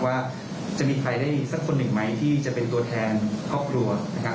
ว่าจะมีใครได้สักคนหนึ่งไหมที่จะเป็นตัวแทนครอบครัวนะครับ